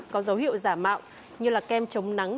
có dấu hiệu giả mạo như là kem chống nắng